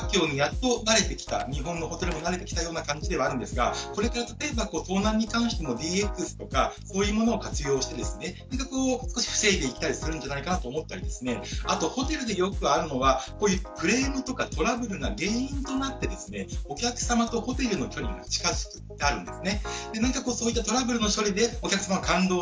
インバウンド環境にやっと慣れてきたような感じではあるんですが盗難に関してのＤＸとかを活用して防いでいけたりするんじゃないかなと思ったりあと、ホテルでよくあるのはクレームとかトラブルが原因となってお客様とホテルの距離が近づくってあるんです。